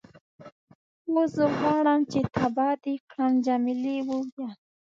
هو، زه غواړم چې تباه دې کړم. جميلې وويل:.